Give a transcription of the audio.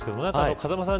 風間さん